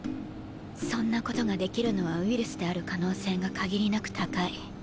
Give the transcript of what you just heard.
そんなことができるのはウイルスである可能性が限りなく高い。